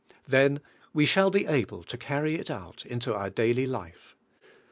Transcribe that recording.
Then we shall be able to carry it out into our daily life.